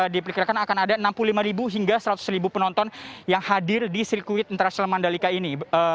diperkirakan akan ada enam puluh lima hingga seratus penonton yang hadir di sirkuit internasional mandalika ini